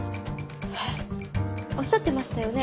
えっ？おっしゃってましたよね？